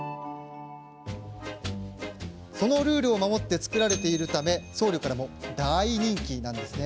そのルールを守って作られているため僧侶からも大人気！